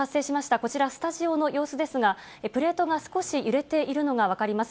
こちら、スタジオの様子ですが、プレートが少し揺れているのが分かります。